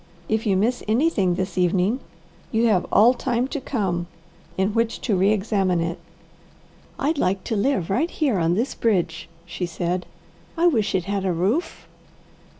If you miss anything this evening, you have all time to come in which to re examine it." "I'd like to live right here on this bridge," she said. "I wish it had a roof."